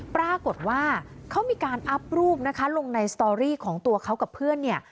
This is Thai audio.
ปรากฏว่าเขามีการอัพรูปนะคะลงในสตอรี่ของตัวเขากับเพื่อนเนี่ย